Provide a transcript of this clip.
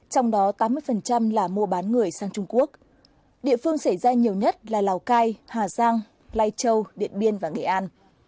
trong đó tám mươi là mua bán người sang trung quốc địa phương xảy ra nhiều nhất là lào cai hà giang lai châu điện biên và nghệ an